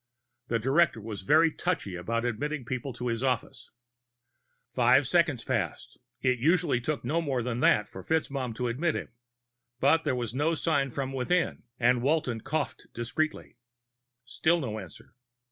The director was very touchy about admitting people to his office. Five seconds passed; it usually took no more than that for FitzMaugham to admit him. But there was no sign from within, and Walton coughed discreetly. Still no answer.